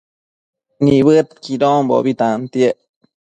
Nibëdquidonbo tantiec